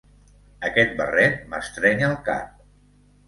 Aquest barret m'estreny el cap.